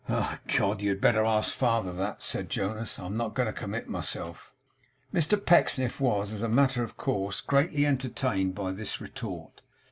'Oh! ecod, you had better ask father that,' said Jonas. 'I am not a going to commit myself.' Mr Pecksniff was, as a matter of course, greatly entertained by this retort.